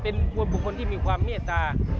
เป็นบุคคลที่มีความเมียตา